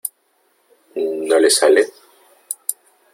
¿ no le sale ?